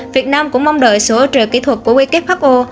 việt nam cũng mong đợi sự hỗ trợ kỹ thuật của who